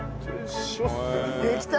できた！